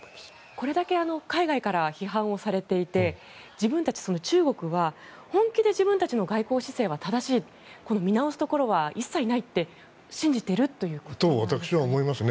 これだけ海外から批判されていて自分たち、中国は本気で自分たちの外交姿勢は正しい、見直すところは一切ないって信じているということですか。